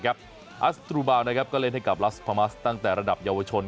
ัสตรูบาลก็เล่นให้กับลัสพามาสตั้งแต่ระดับเยาวชน